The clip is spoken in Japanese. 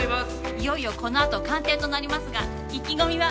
いよいよこのあと鑑定となりますが意気込みは？